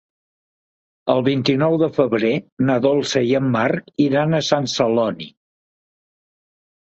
El vint-i-nou de febrer na Dolça i en Marc iran a Sant Celoni.